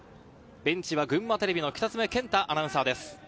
ベンチは群馬テレビの北爪健太アナウンサーです。